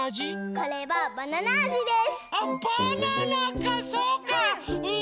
これはトマトあじです。